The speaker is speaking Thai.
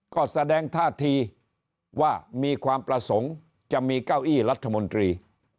ก็แสดงท่าทีว่ามีความประสงค์จะมีเก้าอี้รัฐมนตรี